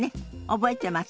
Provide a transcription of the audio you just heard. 覚えてます？